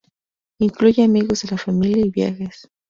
Incluye amigos de la familia y viajes.